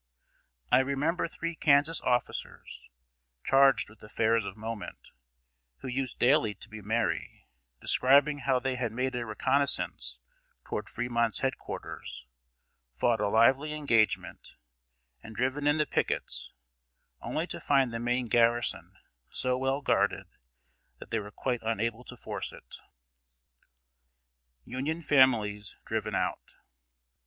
I remember three Kansas officers, charged with affairs of moment, who used daily to be merry, describing how they had made a reconnoissance toward Fremont's head quarters, fought a lively engagement, and driven in the pickets, only to find the main garrison so well guarded that they were quite unable to force it. [Sidenote: UNION FAMILIES DRIVEN OUT.